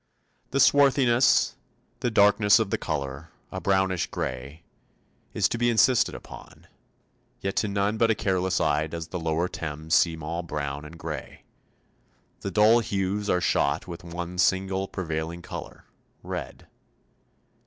The swarthiness, the darkness of the colour a brownish grey is to be insisted upon; yet to none but a careless eye does the lower Thames seem all brown and grey. The dull hues are shot with one single prevailing colour red.